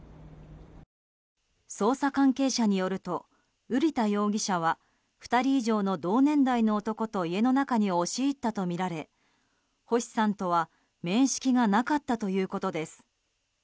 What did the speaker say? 捜査関係者によると瓜田容疑者は２人以上の同年代の男と家の中に押し入ったとみられ星さんとは面識がなかったということです。